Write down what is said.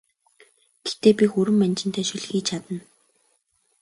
Гэхдээ би хүрэн манжинтай шөл хийж чадна!